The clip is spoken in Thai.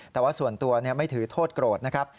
แต่ว่าส่วนตัวไม่ถือโทษโกรธนะครับ